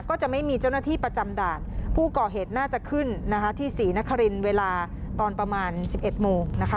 ก็จะมีเจ้าหน้าที่ประจำด่านผู้ก่อเหตุน่าจะขึ้นนะคะที่ศรีนครินเวลาตอนประมาณ๑๑โมงนะคะ